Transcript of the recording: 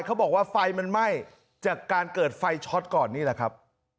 เขาบอกว่าไฟมันไหม้จากการเกิดไฟช็อตก่อนนี่แหละครับ